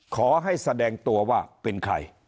ขอให้แสดงตัวว่าเป็นใคร